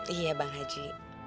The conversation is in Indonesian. iya bang haji